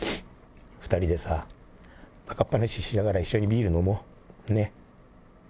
２人でさ、ばかっ話しながら一緒にビール飲もう、ね。